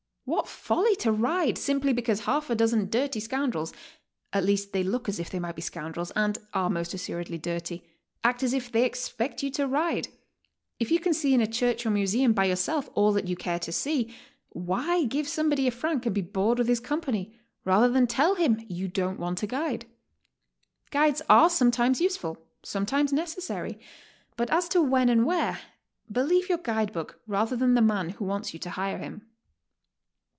What folly to ride simply because half a dozen dirty scoundrels, — at least, they look as if they might be scoundrels, and are most assuredly dirty, — act as if they expected you to ride! If you can see in a church or museum by yourself all that you care to see, why give some body a franc and be bored with his company, rather than tell him you don't want a guide? Guides are sometimes use ful, sometimes necessary, but as to when and where, believe your guide book rather than the man who wants you to hire him.